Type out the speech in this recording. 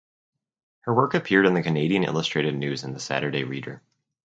Her work appeared in the "Canadian Illustrated News" and the "Saturday Reader".